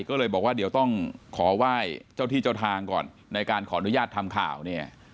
ก็เลยบอกว่าเดี๋ยวต้องขอไหว้เจ้าที่เจ้าทางก่อนในการขออนุญาตทำข่าวเนี่ย